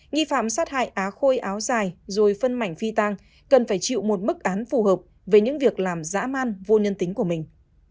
nghi phạm sát hại á khôi áo dài rồi phân mảnh phi tang cần phải chịu một bức án phù hợp với những việc làm dã man vô nhân tính của mình